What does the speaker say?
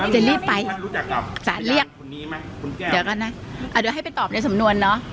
จะรีบไปจะเรียกเดี๋ยวก่อนนะอ่ะเดี๋ยวให้ไปตอบในสำนวนเนอะ